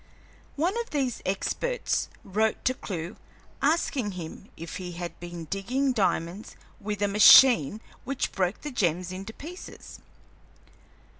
One of these experts wrote to Clewe asking him if he had been digging diamonds with a machine which broke the gems to pieces.